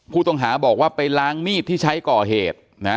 ผู้ต้องหาบอกว่าไปล้างมีดที่ใช้ก่อเหตุนะ